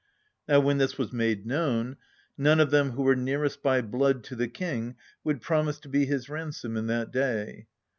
Now when this was made known, none of them who were nearest by blood to the king would promise to be his ransom in that day.